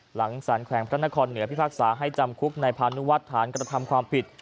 หลังสารแขวงพระนครเหนือพิพากษาให้จำคุกในพานุวัฒน์ฐานกระทำความผิด